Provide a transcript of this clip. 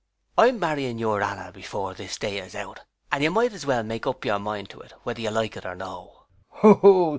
I'm marrying your Anna before this day is out, and you might as well make up your mind to it whether you like it or no.